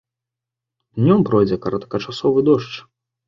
Днём пройдзе кароткачасовы дождж.